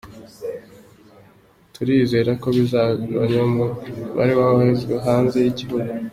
Turizera ko bizagabanya umubare w’aboherezwa hanze y’igihugu.